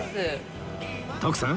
徳さん